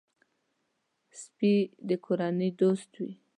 سپي د کورنۍ دوست وي.